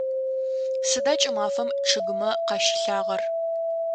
Сыда кӏымафэм чъыгымэ къащилъагъэр?